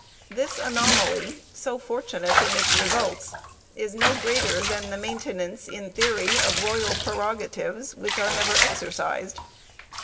This anomaly, so fortunate in its results, is no greater than the maintenance in theory of royal prerogatives which are never exercised.